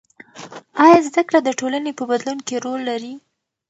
آیا زده کړه د ټولنې په بدلون کې رول لري؟